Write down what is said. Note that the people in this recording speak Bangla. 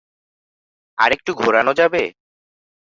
আরেকটু ঘোরানো যাবে?